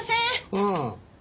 うん。